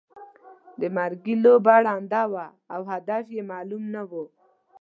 د مرګي لوبه ړنده وه او هدف یې معلوم نه وو.